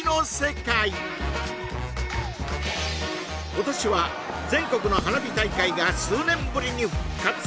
今年は全国の花火大会が数年ぶりに復活！